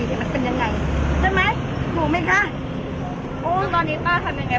เนี้ยมันเป็นยังไงใช่ไหมถูกไหมคะโอ้ตอนนี้ป้าทำยังไง